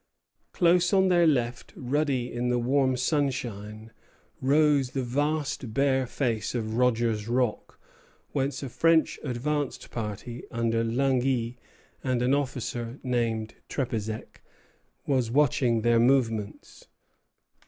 Close on their left, ruddy in the warm sunrise, rose the vast bare face of Rogers Rock, whence a French advanced party, under Langy and an officer named Trepezec, was watching their movements.